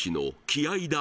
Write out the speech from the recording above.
気合いだ